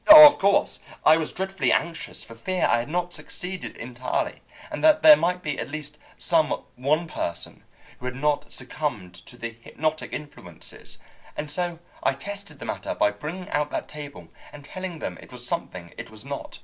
"Of course, I was dreadfully anxious for fear I had not succeeded entirely, and that there might be at least some one person who had not succumbed to the hypnotic influences, and so I tested the matter by bringing out that table and telling them it was something it was not.